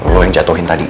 lo yang jatohin tadi